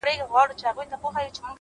لا به په تا پسي ژړېږمه زه ـ